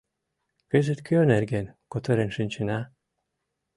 — Кызыт кӧ нерген кутырен шинчена?